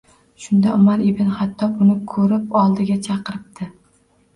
Shunda Umar ibn Xattob uni ko‘rib oldiga chaqiribdi.